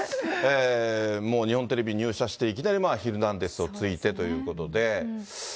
もう日本テレビ入社して、いきなりヒルナンデス！を継いでということで。